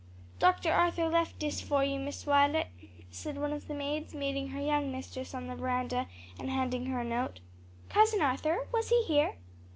"Dr. Arthur lef' dis for you, Miss Wi'let," said one of the maids, meeting her young mistress on the veranda and handing her a note. "Cousin Arthur? was he here?"